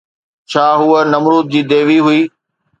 ڇا هوءَ نمرود جي ديوي هئي؟